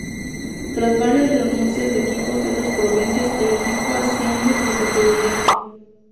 Tras varias renuncias de equipos de otras provincias, el equipo asciende de categoría.